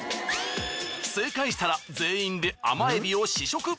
正解したら全員で甘エビを試食。